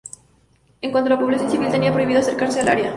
En cuanto a la población civil, tenían prohibido acercarse al área.